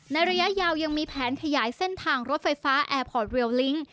ระยะยาวยังมีแผนขยายเส้นทางรถไฟฟ้าแอร์พอร์ตเรียลลิ้ง